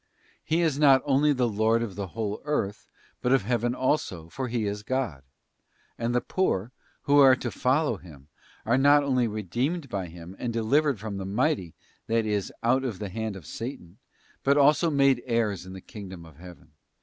He is not only the Lord of the whole earth, but of Heaven also, for He is God. And the poor, who are to follow Him, are not only redeemed by Him and delivered from the mighty, that is out of the hand of Satan, but also made heirs of the kingdom of Heaven.